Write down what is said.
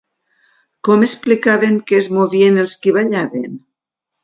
Com explicaven que es movien els qui ballaven?